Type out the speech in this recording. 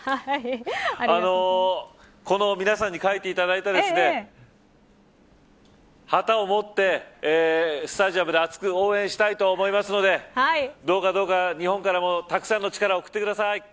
皆さんに書いていただいた旗を持ってスタジアムで熱く応援したいと思いますのでどうか日本からもたくさんの力を送ってください。